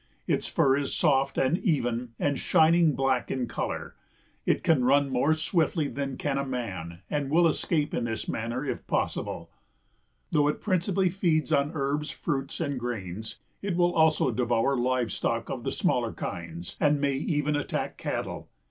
Its fur is soft and even and shining black in color. It can run more swiftly than can a man and will escape in this manner if possible. Though it principally feeds on herbs, fruits and grains, it will also devour live stock of the smaller kinds and may even attack cattle.